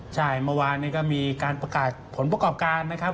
ใช่เมื่อวานนี้ก็มีการประกาศผลประกอบการนะครับ